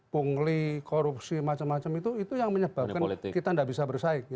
punggeli korupsi macem macem itu itu yang menyebabkan kita nggak bisa bersaing